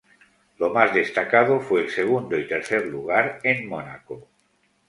Lo más destacado fue el segundo y tercer lugar en Mónaco.